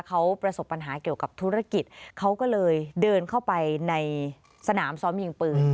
เขาประสบปัญหาเกี่ยวกับธุรกิจเขาก็เลยเดินเข้าไปในสนามซ้อมยิงปืน